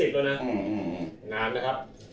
๑๙๓๐แล้วนะนานนะครับ